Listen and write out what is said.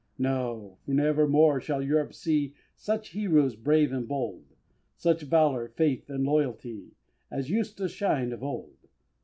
No! never more shall Europe see Such Heroes brave and bold, Such Valor, Faith and Loyalty, As used to shine of old!